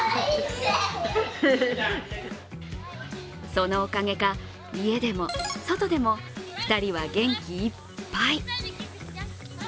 そのおかげか、家でも外でも２人は元気いっぱい。